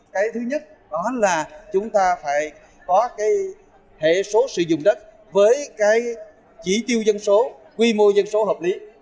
cái thứ nhất đó là chúng ta phải có cái hệ số sử dụng đất với cái chỉ tiêu dân số quy mô dân số hợp lý